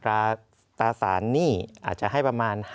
ตราสารหนี้อาจจะให้ประมาณ